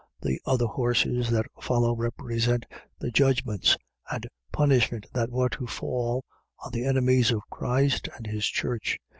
The other horses that follow represent the judgments and punishment that were to fall on the enemies of Christ and his church.